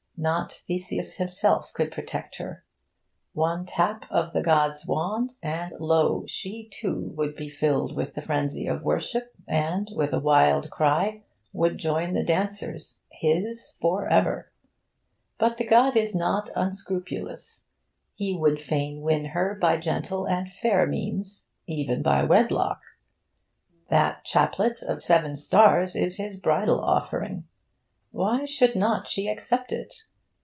Not Theseus himself could protect her. One tap of the god's wand, and, lo! she, too, would be filled with the frenzy of worship, and, with a wild cry, would join the dancers, his for ever. But the god is not unscrupulous. He would fain win her by gentle and fair means, even by wedlock. That chaplet of seven stars is his bridal offering. Why should not she accept it?